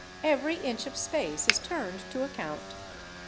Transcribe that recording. Every inch of space is turned to account.